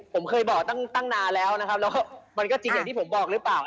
ผมเคยบอกตั้งนานแล้วนะครับแล้วก็มันก็จริงอย่างที่ผมบอกหรือเปล่า